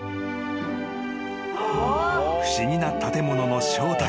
［不思議な建物の正体。